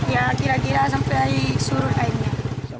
ya kira kira sampai surut airnya